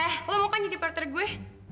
eh lo mau kan jadi partner gue